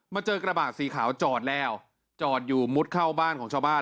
เจอกระบะสีขาวจอดแล้วจอดอยู่มุดเข้าบ้านของชาวบ้าน